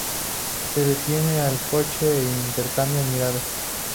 Se detiene el coche e intercambian miradas.